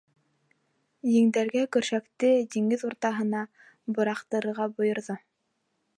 Ендәргә көршәкте диңгеҙ уртаһына быраҡтырырға бойорҙо.